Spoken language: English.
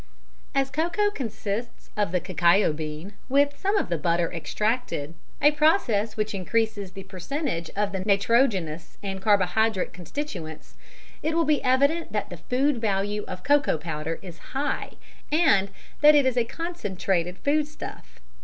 As cocoa consists of the cacao bean with some of the butter extracted a process which increases the percentage of the nitrogenous and carbohydrate constituents it will be evident that the food value of cocoa powder is high, and that it is a concentrated foodstuff.